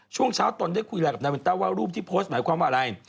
ช่วงเช้าตนได้คุยอะไรกับนายวินต้าว่ารูปที่โพสต์หมายความว่าอะไร